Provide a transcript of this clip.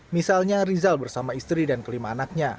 misalnya rizal bersama istri dan kelima anaknya